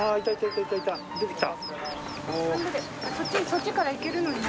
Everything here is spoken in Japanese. そっちからいけるのに。